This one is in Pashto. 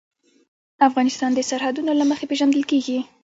افغانستان د سرحدونه له مخې پېژندل کېږي.